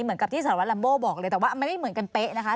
เหมือนกับที่สารวัตติลำโบ่บอกเลยแต่ไม่เหมือนเป๊ะ